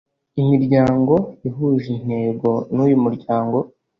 Miryango ihuje intego n uyu muryango